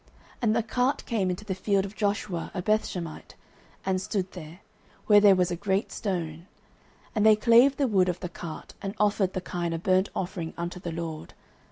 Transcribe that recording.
09:006:014 And the cart came into the field of Joshua, a Bethshemite, and stood there, where there was a great stone: and they clave the wood of the cart, and offered the kine a burnt offering unto the LORD.